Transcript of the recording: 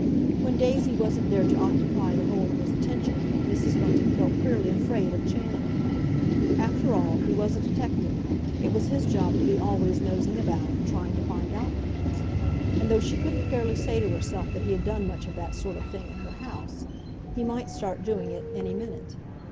When Daisy wasn't there to occupy the whole of his attention, Mrs. Bunting felt queerly afraid of Chandler. After all, he was a detective—it was his job to be always nosing about, trying to find out things. And, though she couldn't fairly say to herself that he had done much of that sort of thing in her house, he might start doing it any minute.